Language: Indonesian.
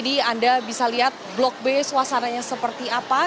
di anda bisa lihat blok b suasananya seperti apa